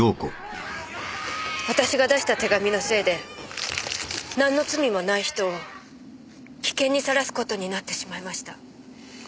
私が出した手紙のせいでなんの罪もない人を危険にさらすことになってしまいました。